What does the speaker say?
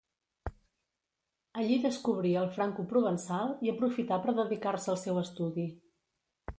Allí descobrí el francoprovençal i aprofità per dedicar-se al seu estudi.